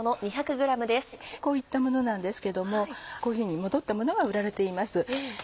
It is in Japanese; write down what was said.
こういったものなんですけどもこういうふうに戻ったものが売られています。